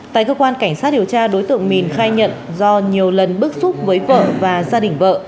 tại cơ quan cảnh sát điều tra đối tượng mền khai nhận do nhiều lần bức xúc với vợ và gia đình vợ